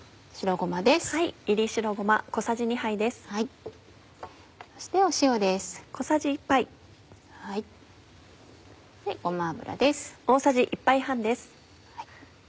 ごま油です。